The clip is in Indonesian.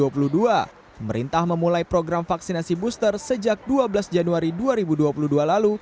pemerintah memulai program vaksinasi booster sejak dua belas januari dua ribu dua puluh dua lalu